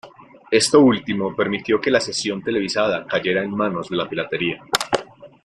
Esto último permitió que la sesión televisada cayera en manos de la piratería.